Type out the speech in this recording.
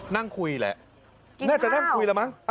นั่งคุยแหละน่าจะนั่งคุยแล้วมั้ง